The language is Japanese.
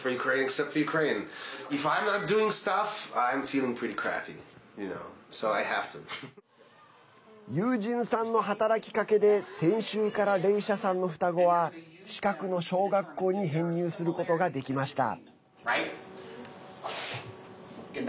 ユージンさんの働きかけで先週からレイシャさんの双子は近くの小学校に編入することができました。